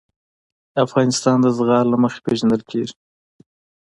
افغانستان د زغال له مخې پېژندل کېږي.